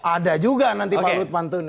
ada juga nanti pak luhut pantun